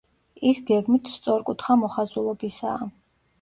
ის გეგმით სწორკუთხა მოხაზულობისაა.